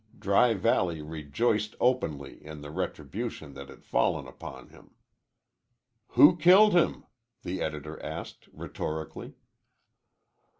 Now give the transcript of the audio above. Dry Valley rejoiced openly in the retribution that had fallen upon him. "Who killed him?" the editor asked rhetorically.